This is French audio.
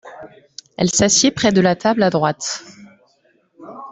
Elle s’assied près de la table à droite.